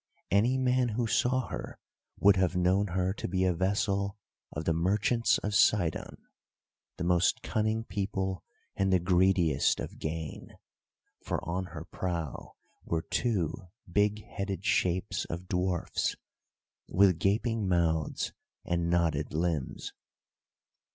Any man who saw her would have known her to be a vessel of the merchants of Sidon—the most cunning people and the greediest of gain—for on her prow were two big headed shapes of dwarfs, with gaping mouths and knotted limbs.